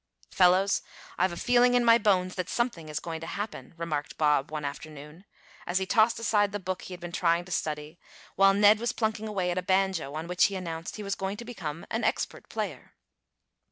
"Fellows, I've a feeling in my bones that something is going to happen," remarked Bob one afternoon, as he tossed aside the book he had been trying to study, while Ned was plunking away at a banjo on which he announced he was going to become an expert player.